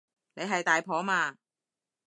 你係大婆嘛